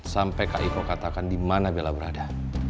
sampai kak iko katakan dimana bella berada